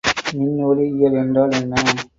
மின்ஒலி இயல் என்றால் என்ன?